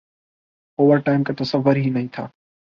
Overtime کا تصور ہی نہیں تھا ۔